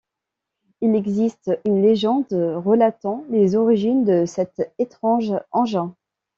Il existe une légende relatant les origines de cet étrange engin.